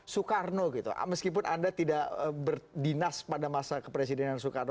soekarno gitu meskipun anda tidak berdinas pada masa kepresidenan soekarno